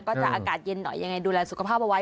อากาศเย็นหน่อยยังไงดูแลสุขภาพเอาไว้